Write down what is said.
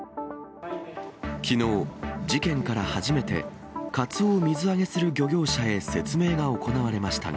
きのう、事件から初めて、カツオを水揚げする漁業者へ説明が行われましたが。